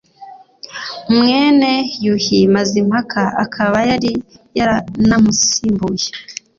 mwene Yuhi Mazimpaka akaba yari yaranamusimbuye